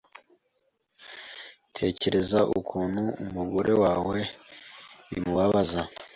Tekereza ukuntu umugore wawe bimubabaza